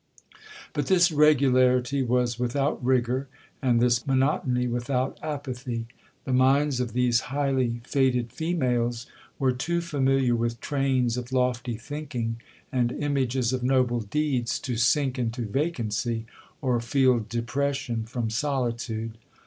But this regularity was without rigour, and this monotony without apathy—the minds of these highly fated females were too familiar with trains of lofty thinking, and images of noble deeds, to sink into vacancy, or feel depression from solitude.